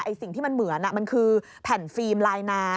สิ่งที่มันเหมือนมันคือแผ่นฟิล์มลายน้ำ